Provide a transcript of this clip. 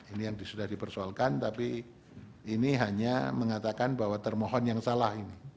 ini yang sudah dipersoalkan tapi ini hanya mengatakan bahwa termohon yang salah ini